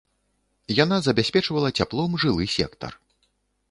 Яна забяспечвала цяплом жылы сектар.